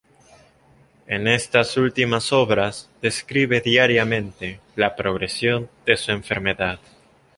En estas últimas obras describe diariamente la progresión de su enfermedad.